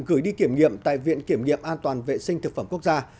gửi đi kiểm nghiệm tại viện kiểm nghiệm an toàn vệ sinh thực phẩm quốc gia